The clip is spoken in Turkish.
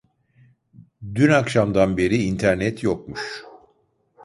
Dün akşamdan beri İnternet yokmuş